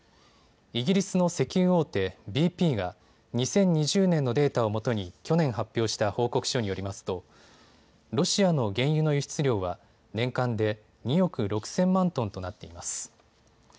イギリスの石油大手、ＢＰが２０２０年のデータをもとに去年、発表した報告書によりますとロシアの原油の輸出量は年間で２億６０００万トンとなっています。